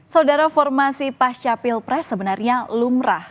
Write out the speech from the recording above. saudara formasi pasca pilpres sebenarnya lumrah